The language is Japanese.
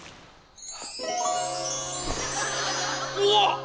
うわっ！